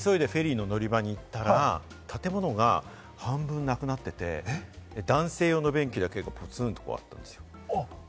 それで今だ！と急いでフェリーの乗り場に行ったら、建物が半分なくなっていて、男性用の便器だけあったんですよ。